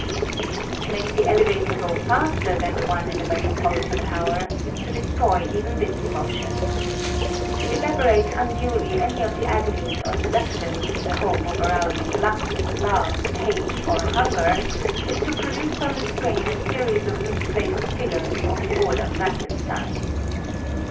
To make the elevator go faster than the one in the Metropolitan Tower is to destroy even this emotion. To elaborate unduly any of the agonies or seductions in the hope of arousing lust, love, hate, or hunger, is to produce on the screen a series of misplaced figures of the order Frankenstein.